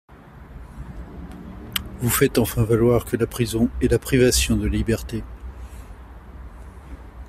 Vous faites enfin valoir que la prison est la privation de liberté.